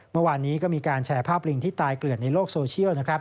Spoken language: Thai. เมื่อวานนี้ก็มีการแชร์ภาพลิงที่ตายเกลือดในโลกโซเชียลนะครับ